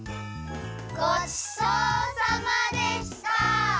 ごちそうさまでした！